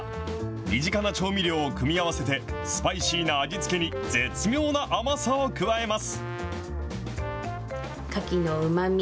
身近な調味料を組み合わせて、スパイシーな味付けに、絶妙な甘さを加えます。